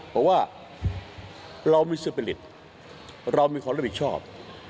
บอกว่าเรามีสภิลิตเรามีความรับผิดชอบ